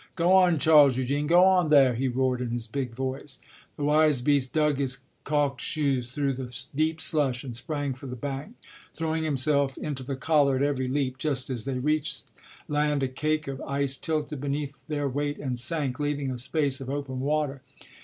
"Go on, Charles Eugene! Go on there!" he roared in his big voice. The wise beast dug his calked shoes through the deep slush and sprang for the bank, throwing himself into the collar at every leap. Just as they reached land a cake of ice tilted beneath their weight and sank, leaving a space of open water.